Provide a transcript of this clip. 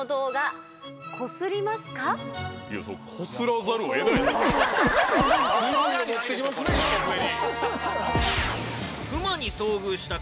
コスらざるを得ない。